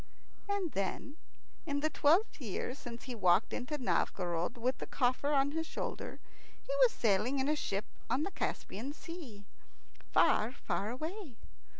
And then, in the twelfth year since he walked into Novgorod with the coffer on his shoulder, he was sailing in a ship on the Caspian Sea, far, far away.